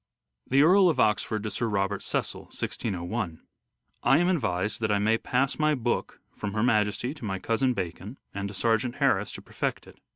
The Earl of Oxford to Sir Robert Cecil (1601) :" I am advised that I may pass my book from Her Majesty to my cousin Bacon and to Sergeant Harris to perfect it."